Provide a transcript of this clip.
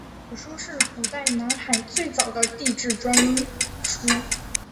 此书是古代南海最早的地志专书。